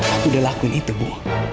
aku udah lakuin itu bu